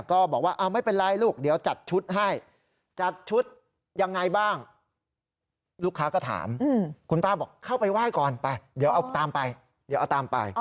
ก็บอกว่าไม่เป็นไรลูกเดี๋ยวจัดชุดให้จัดชุดยังไงบ้างลูกค้าก็ถามคุณป้าบอกเข้าไปไหว้ก่อนไปเดี๋ยวเอาตามไปเดี๋ยวเอาตามไป